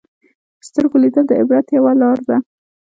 په سترګو لیدل د عبرت یوه لاره ده